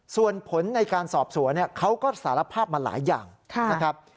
ส่วนผลในการสอบสวนเขาก็สารภาพมาหลายอย่างนะครับ